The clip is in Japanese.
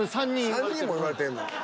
３人も言われてんの。